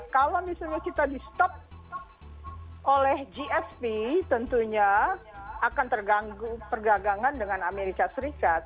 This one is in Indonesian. kalau misalnya kita di stop oleh gsp tentunya akan terganggu perdagangan dengan amerika serikat